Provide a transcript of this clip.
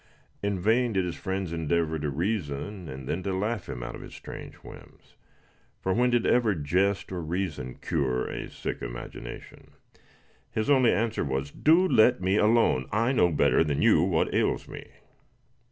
In vain did his friends endeavor to reason, and then to laugh him out of his strange whims; for when did ever jest or reason cure a sick imagination? His only answer was, "Do let me alone; I know better than you what ails me."